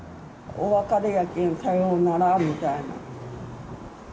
お別れやけん、さようならみたいな。